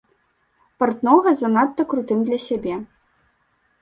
Партнога занадта крутым для сябе.